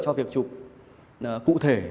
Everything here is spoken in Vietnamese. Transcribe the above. cho việc chụp cụ thể